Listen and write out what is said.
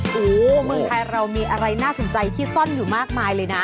โอ้โหเมืองไทยเรามีอะไรน่าสนใจที่ซ่อนอยู่มากมายเลยนะ